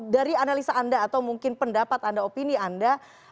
dari analisa anda atau mungkin pendapat anda opini anda